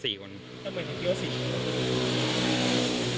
ทำไมถึงเกี่ยวว่า๔คน